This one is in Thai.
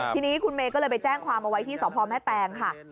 ทีนี้คุณเมย์ก็เลยไปแจ้งความเอาไว้ที่สพแม่แตงค่ะ